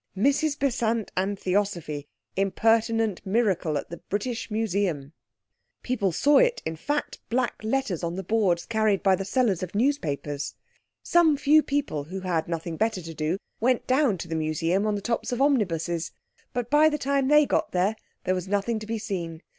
MRS BESANT AND THEOSOPHY IMPERTINENT MIRACLE AT THE BRITISH MUSEUM. People saw it in fat, black letters on the boards carried by the sellers of newspapers. Some few people who had nothing better to do went down to the Museum on the tops of omnibuses. But by the time they got there there was nothing to be seen.